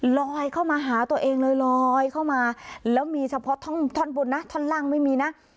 ลอยเข้ามาหาตัวเองเลยลอยเข้ามาแล้วมีเฉพาะท่อนบนนะท่อนล่างไม่มีนะ